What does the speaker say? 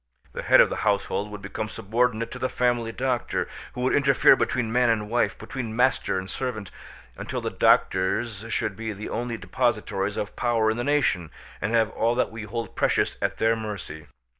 The head of the household would become subordinate to the family doctor, who would interfere between man and wife, between master and servant, until the doctors should be the only depositaries of power in the nation, and have all that we hold precious at their mercy.